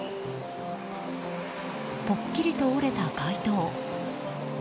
ぽっきりと折れた街灯。